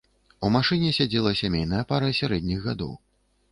У машыне сядзела сямейная пара сярэдніх гадоў.